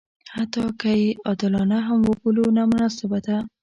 حتی که یې عادلانه هم وبولو نامناسبه ده.